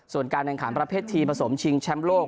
ส่วนการแข่งขันประเภททีมผสมชิงแชมป์โลก